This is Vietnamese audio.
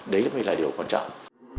đấy mới là điều quan trọng